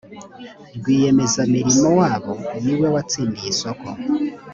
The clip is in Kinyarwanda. rwiyemezamirimo wabo niwe watsiniye isoko.